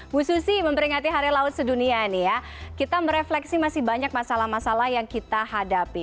bu susi memperingati hari laut sedunia ini ya kita merefleksi masih banyak masalah masalah yang kita hadapi